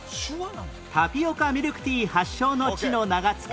タピオカミルクティー発祥の地の名が付く